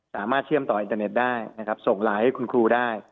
เชื่อมต่ออินเทอร์เน็ตได้นะครับส่งไลน์ให้คุณครูได้